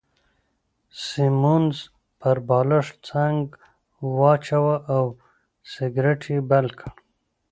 سیمونز پر بالښت څنګ واچاوه او سګرېټ يې بل کړ.